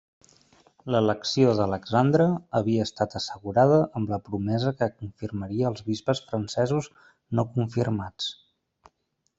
L'elecció d'Alexandre havia estat assegurada amb la promesa que confirmaria els bisbes francesos no confirmats.